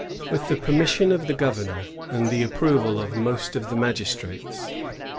With the permission of the governor and the approval of most of the magistrates.